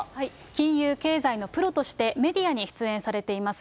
金融、経済のプロとして、メディアに出演されています。